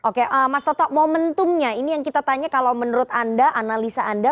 oke mas toto momentumnya ini yang kita tanya kalau menurut anda analisa anda